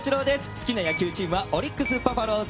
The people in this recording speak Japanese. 好きな野球チームはオリックスバファローズ。